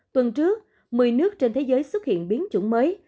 tuần trước một mươi nước trên thế giới xuất hiện biến chủng mới